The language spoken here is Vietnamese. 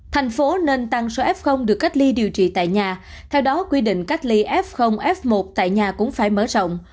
thành phố nên tăng số f được cách ly điều trị tại nhà theo đó quy định cách ly f f một tại nhà cũng phải mở rộng